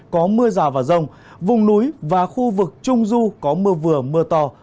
có mưa rào và rông vùng núi và khu vực trung du có mưa vừa mưa to